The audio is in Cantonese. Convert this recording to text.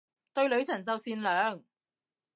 對女神就善良